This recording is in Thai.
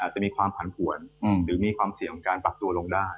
จะมีความผันผวนหรือมีความเสี่ยงการปรับตัวลงได้